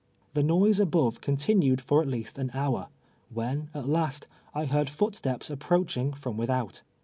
The noise above continued for at least an hour, when, at last, I heard footsteps approaching from without.